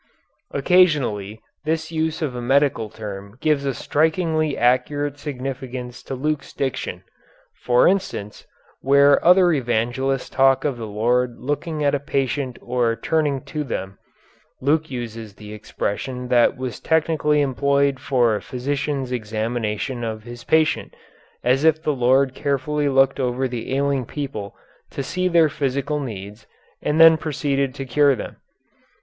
Occasionally this use of a medical term gives a strikingly accurate significance to Luke's diction. For instance, where other evangelists talk of the Lord looking at a patient or turning to them, Luke uses the expression that was technically employed for a physician's examination of his patient, as if the Lord carefully looked over the ailing people to see their physical needs, and then proceeded to cure them.